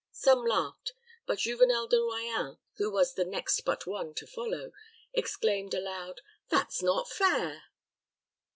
Some laughed; but Juvenel de Royans, who was the next but one to follow, exclaimed aloud, "That's not fair."